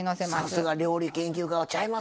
さすが料理研究家はちゃいますな。